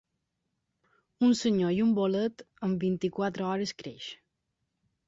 Un senyor i un bolet, en vint-i-quatre hores creix.